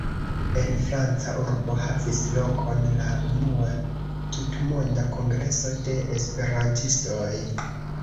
En franca urbo havis lokon la unua tutmonda kongreso de Esperantistoj.